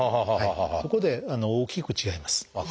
ここで大きく違います。